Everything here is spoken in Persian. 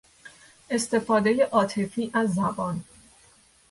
استفاده عاطفی از زبان